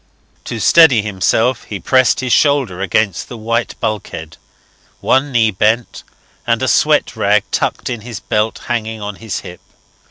To steady himself, he pressed his shoulder against the white bulkhead, one knee bent, and a sweat rag tucked in his belt hanging on his hip.